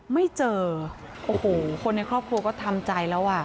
ไม่เจอคนในครอบครัวก็ทำใจแล้ว